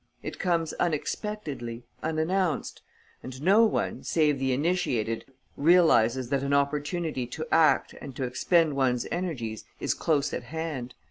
It comes unexpectedly, unannounced; and no one, save the initiated, realizes that an opportunity to act and to expend one's energies is close at hand.